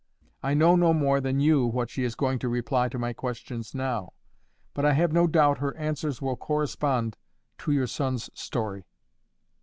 I know no more than you what she is going to reply to my questions now, but I have no doubt her answers will correspond to your son's story."